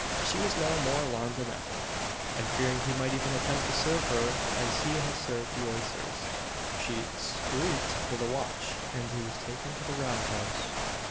She was now more alarmed than ever, and fearing he might even attempt to serve her as he had served the oysters, she "skreeked for the watch," and he was taken to the round house.